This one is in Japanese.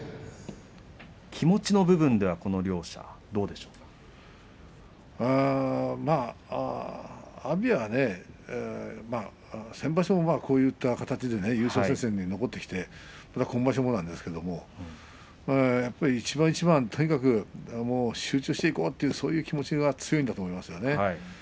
気持ちの部分ではこの両者阿炎は先場所もこういった形で優勝戦線に残って今場所もなんですけど一番一番とにかく集中していこうというそういう気持ちが強いんだと思うんですよね。